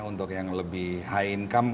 untuk yang lebih high income